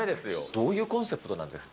どういうコンセプトなんですか？